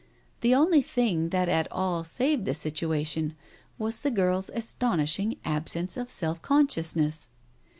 The only thing that at all saved the situation was the girl's astonishing absence of self consciousness.